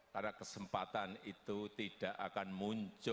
karena kesempatan itu tidak akan muncul